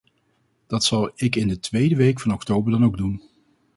Dat zal ik in de tweede week van oktober dan ook doen.